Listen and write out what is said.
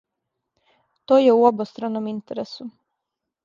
То је у обостраном интересу.